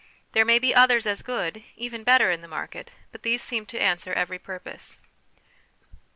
There may be others as good, even better, in the market, but these seem to answer every purpose.